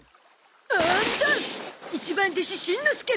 アーンド一番弟子しんのすけ！